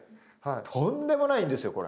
とんでもないんですよこれ。